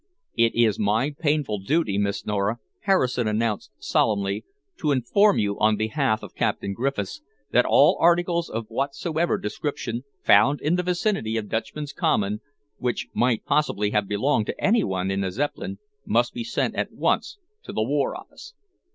"It is my painful duty, Miss Nora," Harrison announced solemnly, "to inform you, on behalf of Captain Griffiths, that all articles of whatsoever description, found in the vicinity of Dutchman's Common, which might possibly have belonged to any one in the Zeppelin, must be sent at once to the War Office."